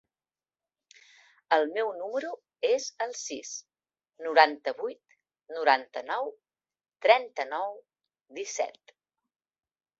El meu número es el sis, noranta-vuit, noranta-nou, trenta-nou, disset.